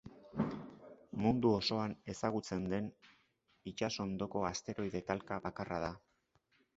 Mundu osoan ezagutzen den itsas hondoko asteroide talka bakarra da.